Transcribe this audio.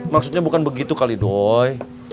maksudnya bukan begitu kalidoy